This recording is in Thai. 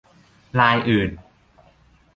ลายอื่น